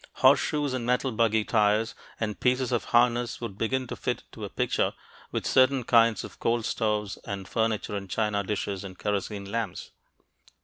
Horseshoes and metal buggy tires and pieces of harness would begin to fit into a picture with certain kinds of coal stoves and furniture and china dishes and kerosene lamps.